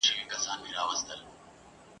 چي له بازه به ورک لوری د یرغل سو ..